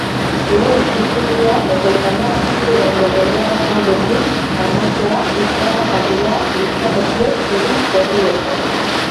Lehen itzulia hogeitahamar puntu baino gehiagorekin amaitzea ikaragarria litzateke zuri-gorrientzat.